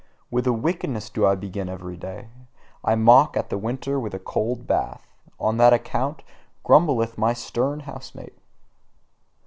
With a wickedness do I begin every day: I mock at the winter with a cold bath: on that account grumbleth my stern house mate.